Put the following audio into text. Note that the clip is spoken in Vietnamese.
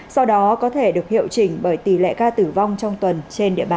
sau đó có thể được hiệu chỉnh bởi tỷ lệ ca tử vong trong tuần trên địa bàn